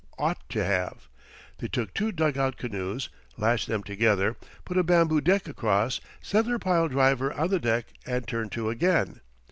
Ought to have! They took two dugout canoes, lashed them together, put a bamboo deck across, set their pile driver on the deck and turned to again.